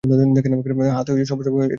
হাত হইতে সর্বজয়া লইবে-এইরূপই যেন চায়।